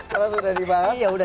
kalau sudah dipaham